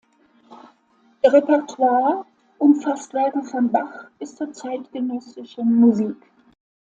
Ihr Repertoire umfasst Werke von Bach bis zur zeitgenössischen Musik.